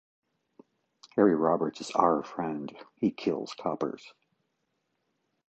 Harry Roberts is our friend, he kills coppers.